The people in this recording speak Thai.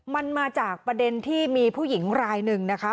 มันมาจากประเด็นที่มีผู้หญิงรายหนึ่งนะคะ